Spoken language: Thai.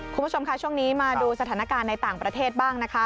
คุณผู้ชมค่ะช่วงนี้มาดูสถานการณ์ในต่างประเทศบ้างนะคะ